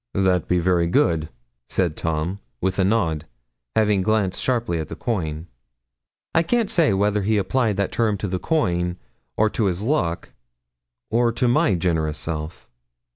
'That be very good,' said Tom, with a nod, having glanced sharply at the coin. I can't say whether he applied that term to the coin, or to his luck, or to my generous self.